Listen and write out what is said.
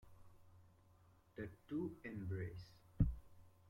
The two embrace.